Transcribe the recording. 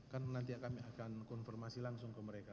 kan nanti kami akan konfirmasi langsung ke mereka